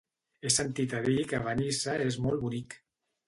He sentit a dir que Benissa és molt bonic.